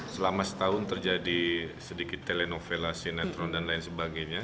selama setahun terjadi sedikit telenovela sinetron dan lain sebagainya